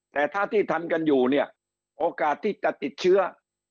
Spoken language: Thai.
แต่ถ้าที่ทำกันอยู่เนี่ยโอกาสที่จะติดเชื้อ